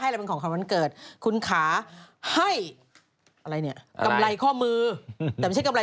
อะนาเดทคุกกิมียะ